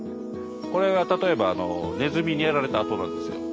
これが例えばネズミにやられた跡なんですよ。